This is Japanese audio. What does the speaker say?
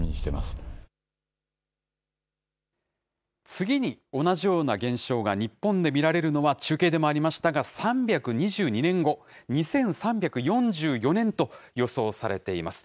次に同じような現象が日本で見られるのは、中継でもありましたが、３２２年後、２３４４年と予想されています。